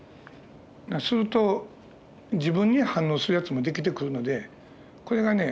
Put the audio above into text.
すると自分に反応するやつも出来てくるのでこれがね